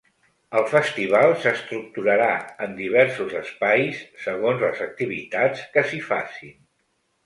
El festival s’estructurarà en diversos espais, segons les activitats que s’hi facin.